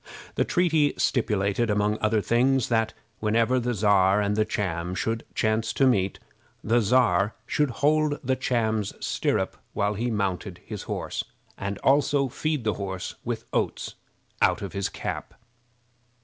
The treaty stipulated, among other things, that whenever the Czar and the Cham should chance to meet, the Czar should hold the Cham's stirrup while he mounted his horse, and also feed the horse with oats out of his cap.